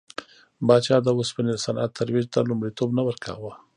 پاچا د اوسپنې د صنعت ترویج ته لومړیتوب نه ورکاوه.